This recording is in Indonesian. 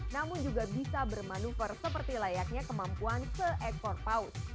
namun juga bisa bermanuver seperti layaknya kemampuan seekor paus